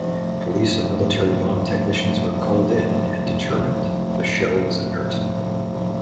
Police and military bomb technicians were called in and determined the shell was inert.